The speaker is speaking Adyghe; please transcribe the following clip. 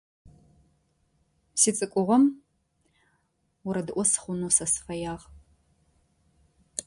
Сицӏыкӏугъом орэдыӏо сыхъунэу сэ сыфэягъ.